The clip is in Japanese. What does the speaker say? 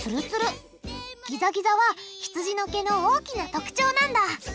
ギザギザはひつじの毛の大きな特徴なんだ